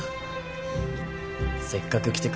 せっかく来てくれたし。